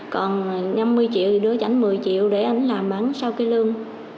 còn năm mươi triệu thì đưa cho anh một mươi triệu để anh làm bán sau cái lương